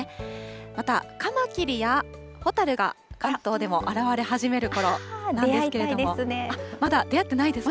また、カマキリやホタルが関東でも現れ始めるころなんですけれど出会いたいですね。